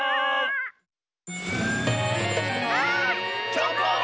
チョコン！